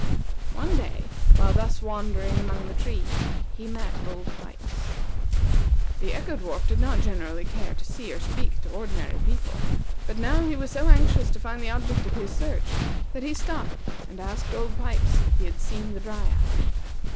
One day, while thus wandering among the trees, he met Old Pipes. The Echo dwarf did not generally care to see or speak to ordinary people; but now he was so anxious to find the object of his search, that he stopped and asked Old Pipes if he had seen the Dryad.